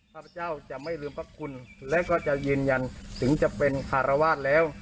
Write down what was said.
ข้าพเจ้าจะไม่ลืมพระคุณและก็จะยืนยันถึงจะเป็นคารวาสแล้ว